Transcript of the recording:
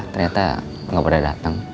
ternyata nggak pada dateng